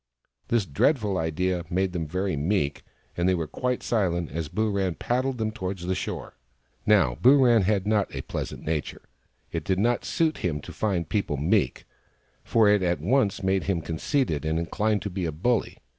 This dreadful idea made them very meek, and they were quite silent as Booran paddled them towards the shore. Now, Booran had not a pleasant nature. It did not suit him to find people meek, for it at once made him conceited and inclined to be a bully.